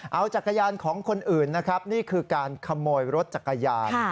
เอาจักรยานของคนอื่นนะครับนี่คือการขโมยรถจักรยาน